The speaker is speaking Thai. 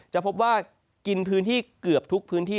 จะพบว่ากินพื้นที่เกือบทุกพื้นที่